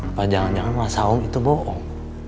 apa jangan jangan mas saung itu bohong